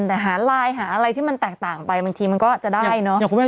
แต่หาไลน์หาอะไรที่มันแตกต่างไปบางทีมันก็จะได้เนาะ